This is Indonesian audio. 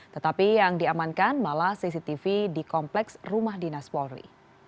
tetapi yang diamankan malah cctv di kompleks rumah dinas polri